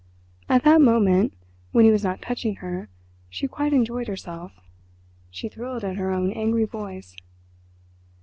At that moment, when he was not touching her, she quite enjoyed herself. She thrilled at her own angry voice.